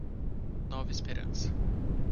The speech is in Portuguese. Nova Esperança